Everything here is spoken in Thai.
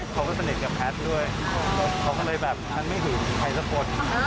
เขาก็สนิทกับแพทย์ด้วยเขาก็เลยแบบฉันไม่เห็นใครสักคน